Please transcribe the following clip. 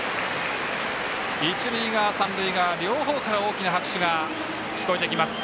一塁側、三塁側両方から大きな拍手が聞こえてきます。